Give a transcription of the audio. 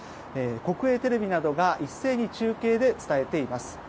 国営テレビなどが一斉に中継で伝えています。